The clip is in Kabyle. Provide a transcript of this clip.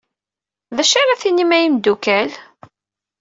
D acu ara tinim a imeddukal?